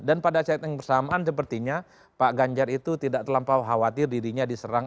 dan pada setting bersamaan sepertinya pak ganyar itu tidak terlampau khawatir dirinya diserang